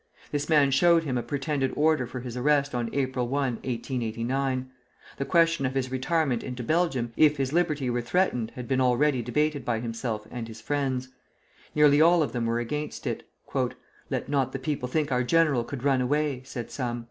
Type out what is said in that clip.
This man showed him a pretended order for his arrest on April 1, 1889. The question of his retirement into Belgium if his liberty were threatened had been already debated by himself and his friends. Nearly all of them were against it. "Let not the people think our general could run away," said some.